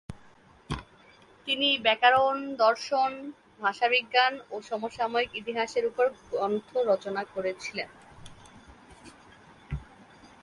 তিনি ব্যাকরণ, দর্শন, ভাষাবিজ্ঞান ও সমসাময়িক ইতিহাসের উপর গ্রন্থ রচনা করেছিলেন।